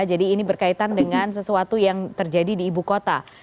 jadi ini berkaitan dengan sesuatu yang terjadi di ibu kota